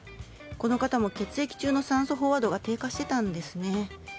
この方も血液中の酸素飽和度が低下していたんですね。